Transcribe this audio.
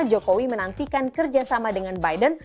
jokowi menantikan kerjasama dengan biden